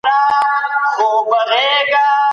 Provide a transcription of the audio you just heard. دا ستا د مستي ځــوانـــۍ قـدر كـــــــوم